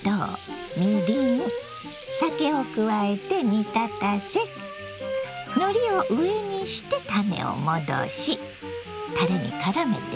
を加えて煮立たせのりを上にしてたねをもどしたれにからめていきますよ。